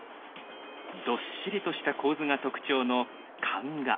どっしりとした構図が特徴の漢画。